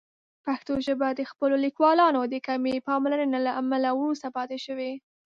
پښتو ژبه د خپلو لیکوالانو د کمې پاملرنې له امله وروسته پاتې شوې.